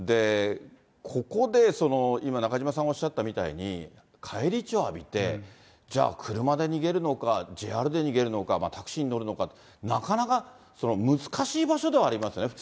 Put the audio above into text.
ここで、今、中島さんがおっしゃったみたいに返り血を浴びて、じゃあ、車で逃げるのか、ＪＲで逃げるのか、タクシーに乗るのか、なかなか難しい場所ではありますよね、